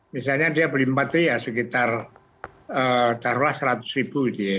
misalnya dia beli empat itu ya sekitar taruhlah seratus ribu gitu ya